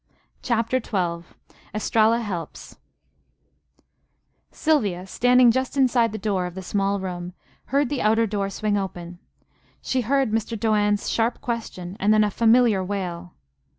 CHAPTER XII ESTRALLA HELPS Sylvia, standing just inside the door of the small room, heard the outer door swing open. She heard Mr. Doane's sharp question, and then a familiar wail.